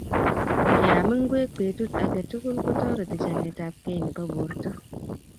Keam ngwek petut age tugul ko toreti chametapkei nebo porto